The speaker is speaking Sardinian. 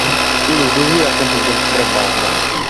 Unu fui-fui a chentu pre banda.